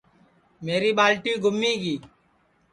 میری ٻالٹی گُمی گی